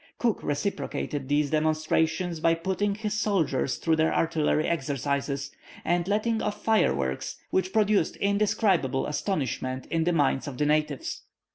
Cook reciprocated these demonstrations by putting his soldiers through their artillery exercises, and letting off fireworks, which produced indescribable astonishment in the minds of the natives.